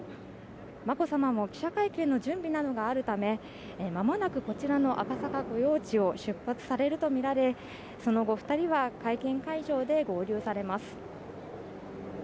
眞子さまも記者会見の準備などがあるため、間もなくこちらの赤坂御用地を出発されるとみられ、その後２人は会見会場で合流されます。